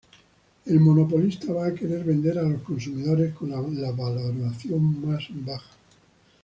El monopolista va a querer vender a los consumidores con la valoración más baja.